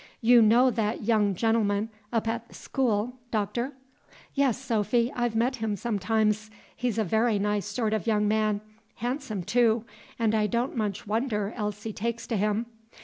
Do you know that young gen'l'm'n up at the school, Doctor?" "Yes, Sophy, I've met him sometimes. He's a very nice sort of young man, handsome, too, and I don't much wonder Elsie takes to him.